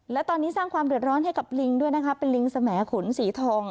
และตอนนี้สร้างความเดือดร้อนให้กับลิงด้วยนะคะเป็นลิงสมขุนสีทอง